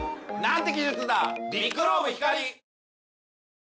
ん？